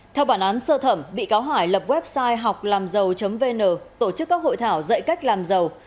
theo bản án sơ thẩm bị cáo hải lập website họclamdàu vn tổ chức các hội thảo dạy cách làm giàu